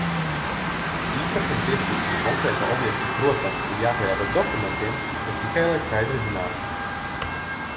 Īpašumtiesības uz konkrēto objektu, protams, ir jāpierāda ar dokumentiem, bet tikai lai skaidri zinātu.